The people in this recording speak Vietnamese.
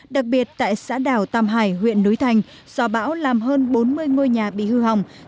đặc biệt tại xã đảo tam hải huyện núi thành do bão làm hơn bốn mươi ngôi nhà bị hư hỏng